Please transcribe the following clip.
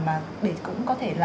mà để cũng có thể là